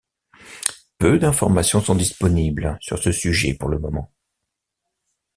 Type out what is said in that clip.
Peu d'informations sont disponibles sur ce sujet pour le moment.